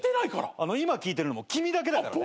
今聞いてるのも君だけだからね。